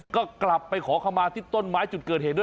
ก็กลับไปขอเข้ามาที่ต้นไม้จุดเกิดเหตุด้วย